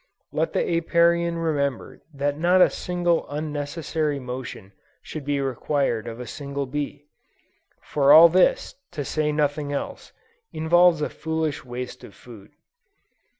Let the Apiarian remember that not a single unnecessary motion should be required of a single bee: for all this, to say nothing else, involves a foolish waste of food.